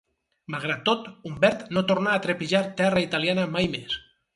Malgrat tot, Humbert no tornà a trepitjar terra italiana mai més.